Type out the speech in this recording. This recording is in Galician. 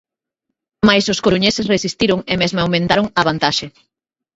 Mais os coruñeses resistiron e mesmo aumentaron a vantaxe.